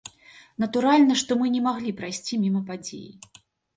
Натуральна, што мы не маглі прайсці міма падзеі.